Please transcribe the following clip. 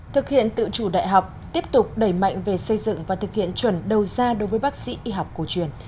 thực hiện tự chủ đại học tiếp tục đẩy mạnh về xây dựng và thực hiện chuẩn đầu ra đối với bác sĩ y học cổ truyền